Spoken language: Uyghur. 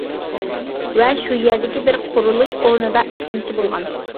ۋە شۇ يەردىكى بىر قۇرۇلۇش ئورنىدا ئىشلەمچى بولغان.